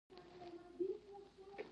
ويې ويل سخت کم عقله سړى يې ګير کړى يې.